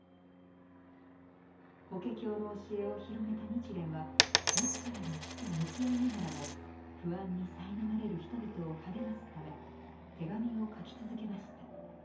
「法華経」の教えを広めた日蓮は自らの死と向き合いながらも不安にさいなまれる人々を励ますため手紙を書き続けました。